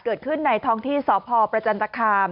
เกิดขึ้นในท้องที่สพประจันทคาม